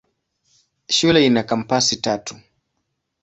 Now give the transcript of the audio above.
Shule ina kampasi tatu.